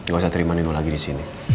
gak usah terima nino lagi disini